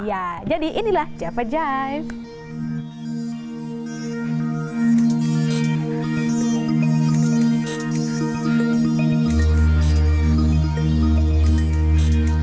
iya jadi inilah java jive